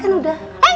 mana ada baiknya